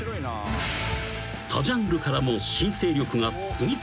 ［他ジャンルからも新勢力が次々と参戦する］